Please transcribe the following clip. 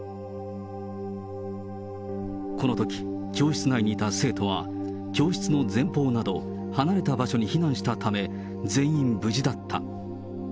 このとき、教室内にいた生徒は、教室の前方など、離れた場所に避難したため、全員無事だった。